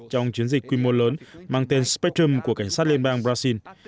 trong chiến dịch quy mô lớn mang tên spactum của cảnh sát liên bang brazil